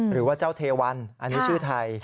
หรือว่าเจ้าเทวันอันนี้ชื่อไทย